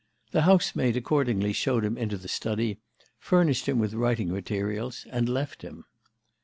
The housemaid accordingly showed him into the study, furnished him with writing materials, and left him.